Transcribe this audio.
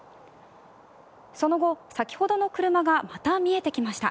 その後、先ほどの車がまた見えてきました。